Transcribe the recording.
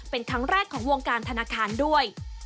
เป็นครั้งแรกของวงการธนาคารด้วย